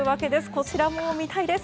こちらも見たいです。